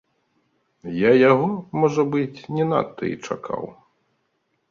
Я яго, можа быць, не надта і чакаў.